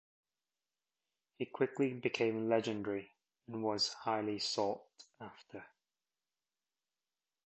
He quickly became legendary and was highly sought after.